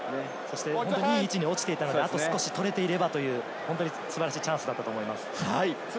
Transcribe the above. いい位置に落ちていて、あと少し取れていればという素晴らしいチャンスだったと思います。